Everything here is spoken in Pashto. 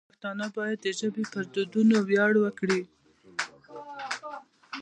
پښتانه باید د ژبې پر دودونو ویاړ وکړي.